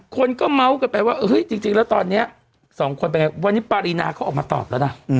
คนก็เมา๊วไปว่าจริงแล้ววันนี้ปรินาก็ออกมาตอบแล้วนะ